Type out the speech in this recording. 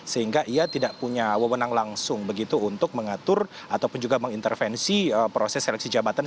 sehingga ia tidak punya wewenang langsung begitu untuk mengatur ataupun juga mengintervensi proses seleksi jabatan